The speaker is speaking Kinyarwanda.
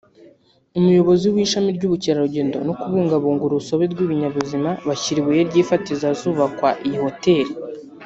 umuyobozi w’ishami ry’ubukerarugendo no kubungabunga urusobe rw’ibinyabuzima bashyira ibuye ry’ifatizo ahazubawa iyi hoteri